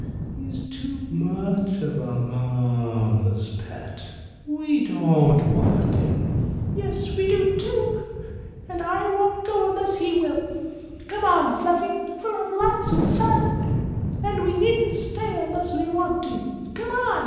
He's too much of a mamma's pet. We don't want him." "Yes, we do, too. And I won't go unless he will. Come on, Fluffy. We'll have lots of fun. And we needn't stay unless we want to. Come on!"